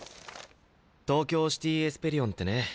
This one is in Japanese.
東京シティ・エスペリオンってね